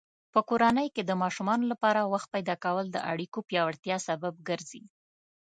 په کورنۍ کې د ماشومانو لپاره وخت پیدا کول د اړیکو پیاوړتیا سبب ګرځي.